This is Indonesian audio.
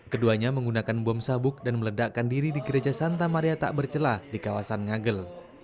keduanya menggunakan bom sabuk dan meledakkan diri di gereja santa maria tak bercelah di kawasan ngagel